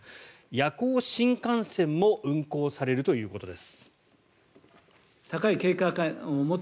夜行新幹線も運行されるということです。